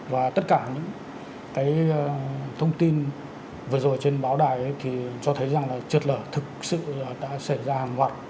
và tất cả những cái thông tin vừa rồi trên báo đài thì cho thấy rằng là trượt lở thực sự đã xảy ra hàng loạt